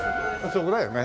そこだよね。